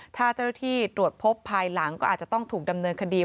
ถ้าเจ้าหน้าที่ตรวจพบภายหลังก็อาจจะต้องถูกดำเนินคดี